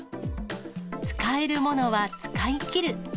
使えるものは使いきる。